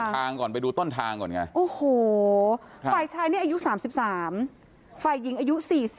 มีคนก่อนไปดูต้นทางเกิดไงโอ้โห้ใช้ในอยู่๓๓ไฟยิงอายุ๔๐